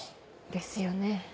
ですよね。